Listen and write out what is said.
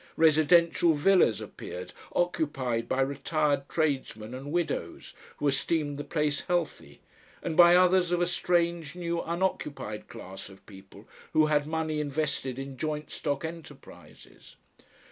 Residential villas appeared occupied by retired tradesmen and widows, who esteemed the place healthy, and by others of a strange new unoccupied class of people who had money invested in joint stock enterprises.